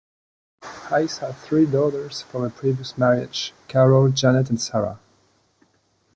Hays has three daughters from a previous marriage: Carol, Janet and Sarah.